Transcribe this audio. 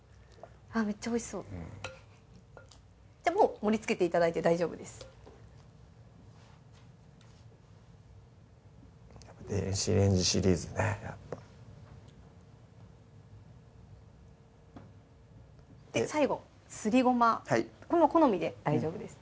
めっちゃおいしそうじゃあもう盛りつけて頂いて大丈夫ですやっぱ電子レンジシリーズね最後すりごま好みで大丈夫です